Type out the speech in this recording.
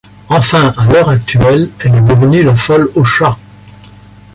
Enfin à l'heure actuelle elle est devenue la folle aux chats.